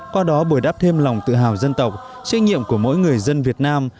qua đó bồi đắp thêm lòng tự hào dân tộc trách nhiệm của mỗi người dân việt nam